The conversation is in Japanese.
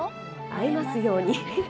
会えますように。